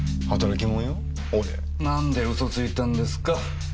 何で嘘ついたんですか？